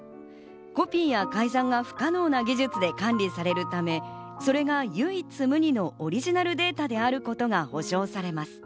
コピーや改ざんが不可能な技術で管理されるため、それが唯一無二のオリジナルデータであることが保証されます。